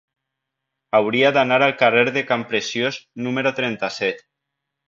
Hauria d'anar al carrer de Campreciós número trenta-set.